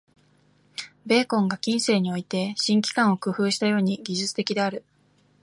ベーコンが近世において「新機関」を工夫したように、技術的である。